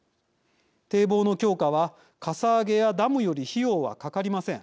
堤防の強化はかさ上げやダムより費用はかかりません。